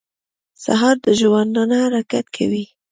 سهار د ژوندانه حرکت کوي.